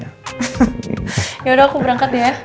yaudah aku berangkat ya